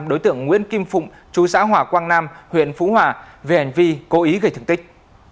đối tượng nguyễn kim phụng chú xã hòa quang nam huyện phú hòa vnv cố ý gây thương tích